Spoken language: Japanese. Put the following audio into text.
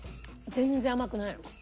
全然甘くない。